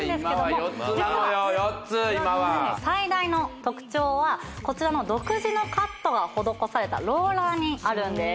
４つ今は最大の特徴はこちらの独自のカットが施されたローラーにあるんです